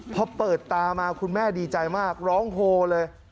พอเปิดตามาคุณแม่ดีใจมากร้องโฮเลย